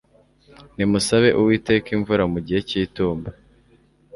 nimusabe uwiteka imvura mu gihe cy itumba